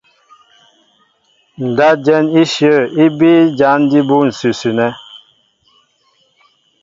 Ndáp jɛ̌n íshyə̂ í bíí ján ǹsʉsʉ nɛ́.